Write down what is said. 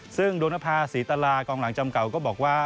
ซึ่งดวงทภาษีศรีตลาคล่องหลังจำเก่าก็บอกว่า